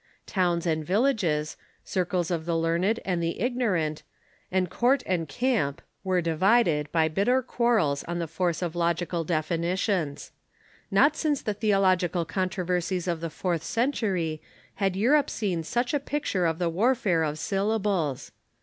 Towns and villages, circles of the learned and the ignorant, and court and camp, were divided ABELAKD AND HIS FORTUNES 181 by bitter quarrels on the force of logical definitions. Not since the theological controversies of the fourth century had Europe seen such a picture of the warfare of syllables.